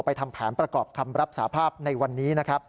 ไปทำแผนประกอบคำรับสภาพในวันนี้